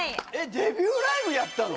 デビューライブやったの？